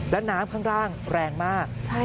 แล้วน้ำข้างล่างแรงมาก